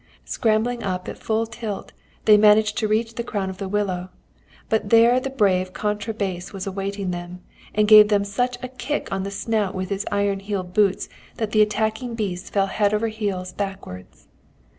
Scrambling up at full tilt, they managed to reach the crown of the willow, but there the brave contra bass was awaiting them, and gave them such a kick on the snout with his iron heeled boots that the attacking beasts fell head over heels backwards.